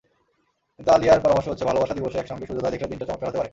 কিন্তু আলিয়ার পরামর্শ হচ্ছে—ভালোবাসা দিবসে একসঙ্গে সূর্যোদয় দেখলে দিনটা চমৎকার হতে পারে।